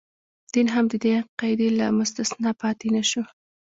دین هم د دې قاعدې له مستثنا پاتې نه شو.